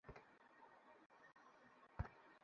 Spin বোতল খেলবো।